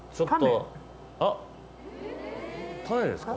あっ種ですか？